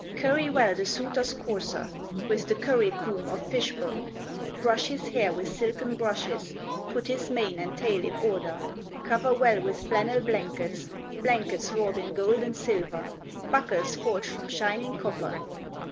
"Curry well the suitor's courser With the curry comb of fish bone, Brush his hair with silken brushes, Put his mane and tail in order, Cover well with flannel blankets, Blankets wrought in gold and silver, Buckles forged from shining copper.